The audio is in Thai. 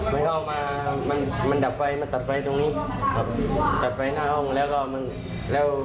มันออกมา